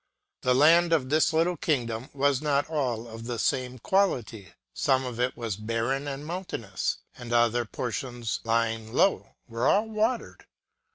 The land in this little kingdom was not all of the same quality : some of it was barren and mountainous ; and other portions, lying low, were well watered.